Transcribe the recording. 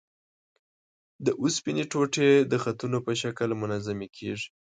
د اوسپنې ټوټې د خطونو په شکل منظمې کیږي.